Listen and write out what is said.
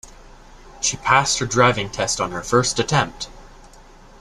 She passed her driving test on her first attempt.